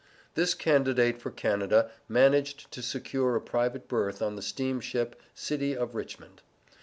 This candidate for Canada managed to secure a private berth on the steamship City of Richmond.